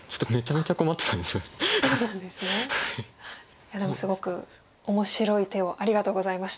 いやでもすごく面白い手をありがとうございました。